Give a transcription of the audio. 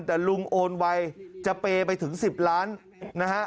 แต่ลุงโอนไวจะเปย์ไปถึง๑๐ล้านนะฮะ